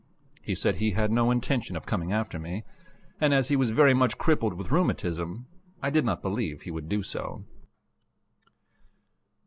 He said he had no intention of coming after me; and as he was very much crippled with rheumatism, I did not believe he would do so.